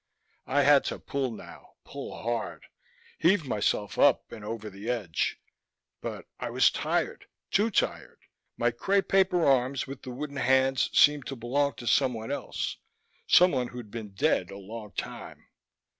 I had to pull now, pull hard, heave myself up and over the edge, but I was tired, too tired. My crepe paper arms with the wooden hands seemed to belong to someone else, someone who'd been dead a long time....